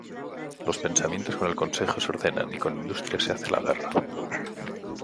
Los pensamientos con el consejo se ordenan: Y con industria se hace la guerra.